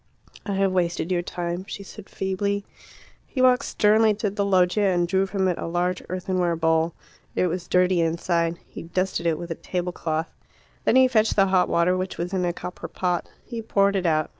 "I have wasted your time," she said feebly. He walked sternly to the loggia and drew from it a large earthenware bowl. It was dirty inside; he dusted it with a tablecloth. Then he fetched the hot water, which was in a copper pot. He poured it out.